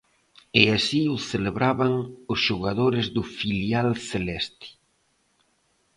E así o celebraban os xogadores do filial celeste.